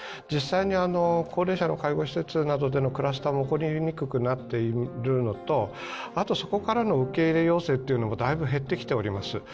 実際に、高齢者の介護施設などでのクラスターも起こりにくくなっているのと、あと、そこからの受け入れ要請もだいぶ、減ってきております。